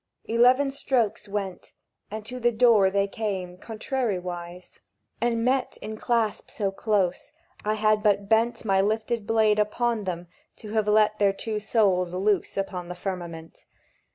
Eleven strokes went, And to the door they came, contrariwise, And met in clasp so close I had but bent My lifted blade upon them to have let Their two souls loose upon the firmament.